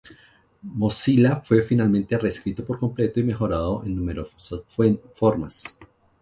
Mozilla fue finalmente reescrito por completo y mejorado en numerosas formas.